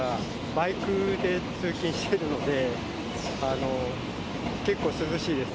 バイクで通勤しているので、結構涼しいです。